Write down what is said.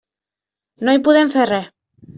No hi podem fer res.